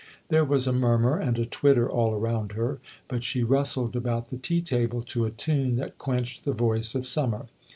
There was a murmur and a twitter all around her; but she rustled about the tea table to a tune that quenched the voice of summer.